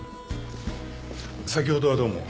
先ほどはどうも。